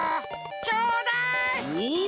ちょうだい！おい。